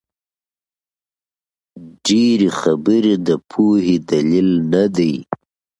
ډېري خبري د پوهي دلیل نه دئ.